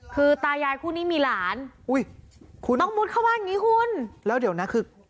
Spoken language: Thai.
คือตายายคู่นี้มีหลานอุ้ยคุณต้องมุดเข้าบ้านอย่างงี้คุณแล้วเดี๋ยวนะคือ